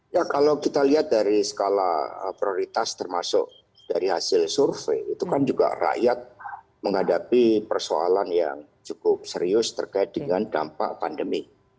ya kalau kita lihat dari skala prioritas termasuk dari hasil survei itu kan juga rakyat menghadapi persoalan yang cukup serius terkait dengan dampak pandemi